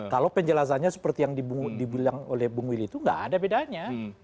kalau penjelasannya seperti yang dibilang oleh bung willy itu nggak ada bedanya